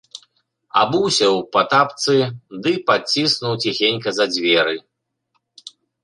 Абуўся ў патапцы ды паціснуў ціхенька за дзверы.